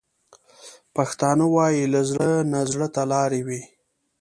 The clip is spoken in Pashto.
پښتانه وايي: له زړه نه زړه ته لارې وي.